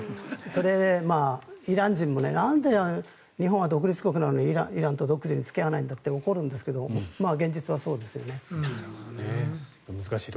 それでイラン人もなんで日本は独立国なのにイランと独自に付き合わないのかって怒るんですが現実はそうですね。